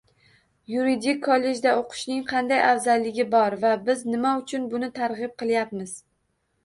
Yuridik kollejda oʻqishning qanday afzalligi bor va biz nima uchun buni targʻib qilayapmiz?